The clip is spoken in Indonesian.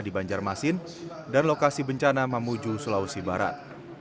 di banjarmasin dan lokasi bencana mamuju sulawesi barat